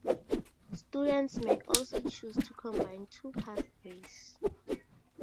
Students may also choose to combine two pathways.